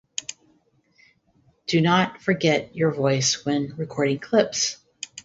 Do not forget your voice when recording clips.